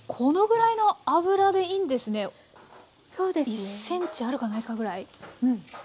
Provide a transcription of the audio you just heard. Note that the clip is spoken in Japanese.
１ｃｍあるかないかぐらい。